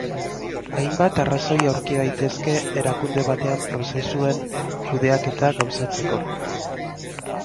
Hainbat arrazoi aurki daitezke erakunde batean Prozesuen kudeaketa gauzatzeko.